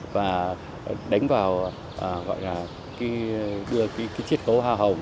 và đánh vào gọi là đưa cái chiết cấu hoa hồng